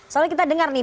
soalnya kita dengar nih